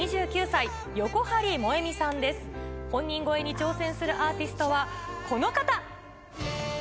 本人超えに挑戦するアーティストはこの方。